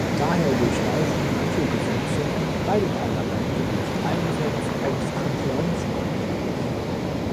Daher durchlaufen manche Gesetze beide Parlamente durch Einsatz eines Konferenzkomitees.